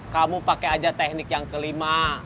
kamu pakai aja teknik yang kelima